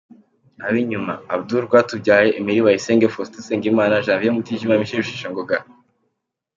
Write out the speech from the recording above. Abinyuma : Abdul Rwatubyaye, Emery Bayisenge, Faustin Usengimana, Janvier Mutijima, Michel Rusheshangoga,.